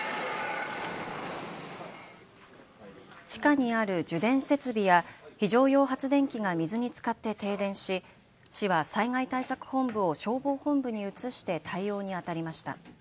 地下にある受電設備や非常用発電機が水につかって停電し市は災害対策本部を消防本部に移して対応にあたりました。